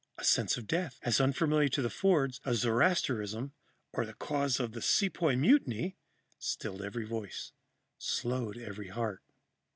A sense of death, as unfamiliar to the Fords as Zoroastrianism or the causes of the Sepoy Mutiny, stilled every voice, slowed every heart.